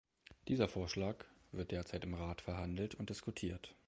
Dieser Vorschlag wird derzeit im Rat verhandelt und diskutiert.